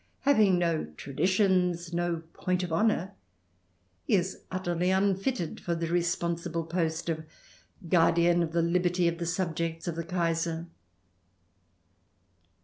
Having no traditions, no point of honour, he is utterly unfitted for the responsible post of guardian of the liberty of the subjects of the Kaiser.